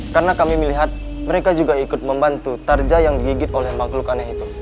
karena kami melihat mereka juga ikut membantu tarja yang digigit oleh makhluk aneh itu